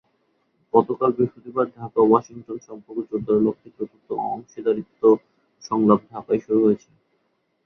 গতকাল বৃহস্পতিবার ঢাকা-ওয়াশিংটন সম্পর্ক জোরদারের লক্ষ্যে চতুর্থ অংশীদারত্ব সংলাপ ঢাকায় শুরু হয়েছে।